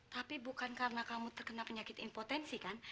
tapi bukan karena kamu terkena penyakit inpotensi kan